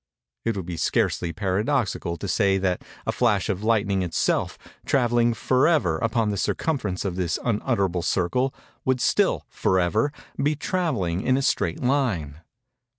It would scarcely be paradoxical to say that a flash of lightning itself, travelling forever upon the circumference of this unutterable circle, would still, forever, be travelling in a straight line.